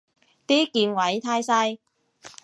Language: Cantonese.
啲鍵位太細